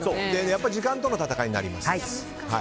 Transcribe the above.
やっぱり時間との戦いになります。